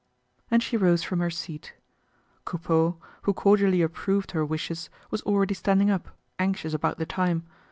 And she rose from her seat. Coupeau, who cordially approved her wishes, was already standing up, anxious about the time.